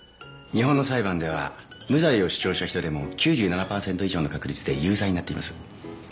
日本の裁判では無罪を主張した人でも９７パーセント以上の確率で有罪になっています。